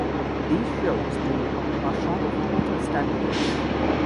These shows, too, are short of Porter standards.